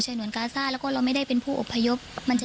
หนวนกาซ่าแล้วก็เราไม่ได้เป็นผู้อพยพ